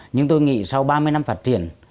nhưng tôi nghĩ sau ba mươi năm phát triển